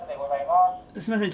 すみません。